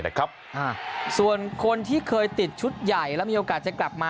อ่าส่วนคนที่เคยติดชุดใหญ่แล้วมีโอกาสจะกลับมา